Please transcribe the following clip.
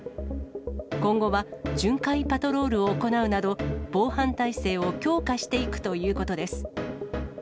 今後は巡回パトロールを行うなど、防犯体制を強化していくということです。